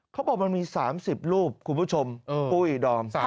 เขาบอกมันมี๓๐รูปคุณผู้ชมปุ้ยดอม